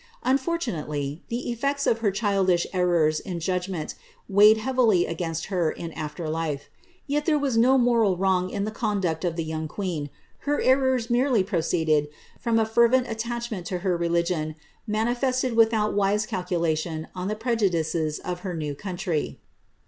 Unfortunately, the efiects of her childish errors in judgment weighed heavily against her in after life. Trt there was no moral wrong in the conduct of the young queen ; her errors merely proceeded from a fervent attachment to her religion, mani fested without wise calculation on the prejudices of her new country.